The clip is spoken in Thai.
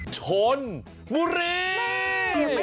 ชนบุรี